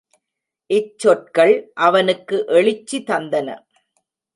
இச் சொற்கள் அவனுக்கு எழுச்சி தந்தன.